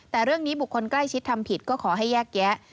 แต่เรื่องนี้บุคคลใกล้ชิดทำผิดก็ขอให้แยกแยะ